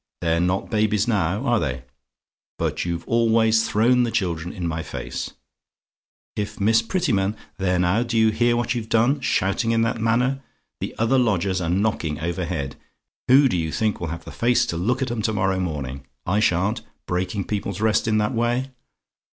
They're not babies NOW are they? But you've always thrown the children in my face. If Miss Prettyman there now; do you hear what you've done shouting in that manner? The other lodgers are knocking overhead: who do you think will have the face to look at 'em to morrow morning? I sha'n't breaking people's rest in that way!